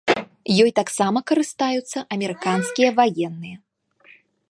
Ёй таксама карыстаюцца амерыканскія ваенныя.